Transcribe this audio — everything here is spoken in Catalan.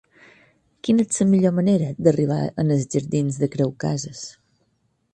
Quina és la millor manera d'arribar als jardins de Creu Casas?